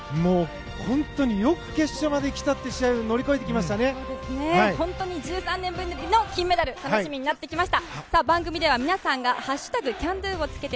本当によく決勝まで来たっていう１３年ぶりの金メダル楽しみになってきました。